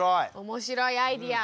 面白いアイデア。